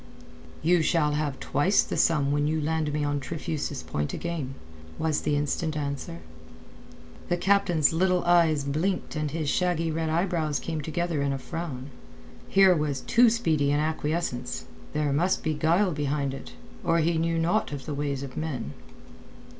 "You shall have twice the sum when you land me on Trefusis Point again," was the instant answer. The captain's little eyes blinked and his shaggy red eyebrows came together in a frown. Here was too speedy an acquiescence. There must be guile behind it, or he knew naught of the ways of men.